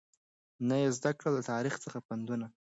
نه یې زده کړل له تاریخ څخه پندونه